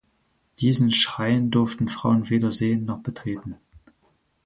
Diesen Schrein durften Frauen weder sehen noch betreten.